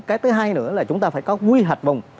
cái thứ hai nữa là chúng ta phải có quy hạch bùng